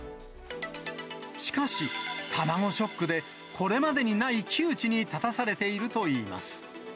しかし、卵ショックでこれまでにない窮地に立たされているといいます。